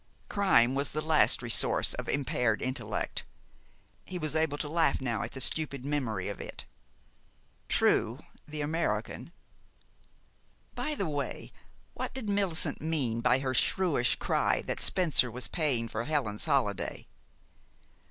Crime was the last resource of impaired intellect. He was able to laugh now at the stupid memory of it. True, the American By the way, what did Millicent mean by her shrewish cry that Spencer was paying for Helen's holiday?